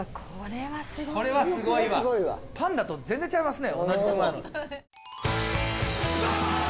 これはすごいわパンダと全然ちゃいますね。